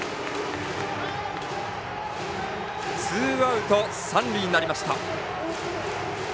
ツーアウト、三塁になりました。